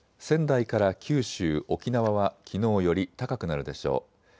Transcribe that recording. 仙台から九州、沖縄はきのうより高くなるでしょう。